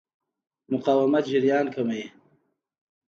مقاومت جریان کموي.